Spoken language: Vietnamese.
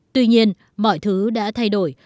tuy nhiên mọi thứ đã thay đổi